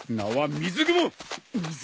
水雲！？